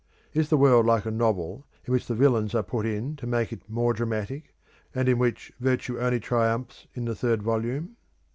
Is the world like a novel in which the villains are put in to make it more dramatic, and in which virtue only triumphs in the third volume?